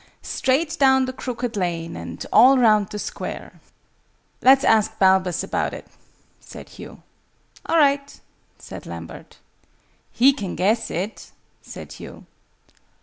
"Straight down the crooked lane, And all round the square." "Let's ask Balbus about it," said Hugh. "All right," said Lambert. "He can guess it," said Hugh.